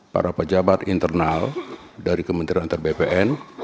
para pejabat internal dari kementerian antar bpn